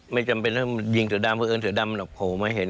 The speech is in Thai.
ไม่จำเป็นว่ามันยิงเสือดำเพราะเอิญเสือดำมันหลับโผล่มาเห็น